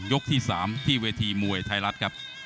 ที่๓ที่เวทีมวยไทยรัฐครับ